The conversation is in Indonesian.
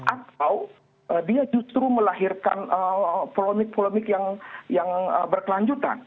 atau dia justru melahirkan polemik polemik yang berkelanjutan